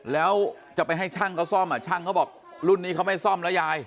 แล้วจะไปให้ช่างเขาซ่อมช่างเขาบอกรุ่นนี้เขาไม่ซ่อมแล้วยาย